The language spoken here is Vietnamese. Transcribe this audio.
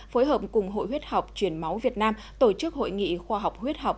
phối hợp cùng hội huyết học truyền máu việt nam tổ chức hội nghị khoa học huyết học